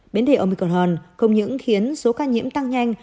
bến thể omicron không những khiến số ca nhiễm tăng nhanh